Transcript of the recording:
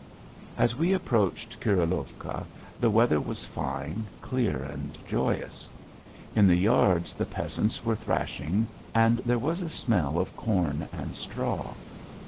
As we approached Kurilovka the weather was fine, clear, and joyous. In the yards the peasants were thrashing and there was a smell of corn and straw.